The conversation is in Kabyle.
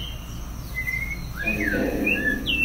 Anda-t?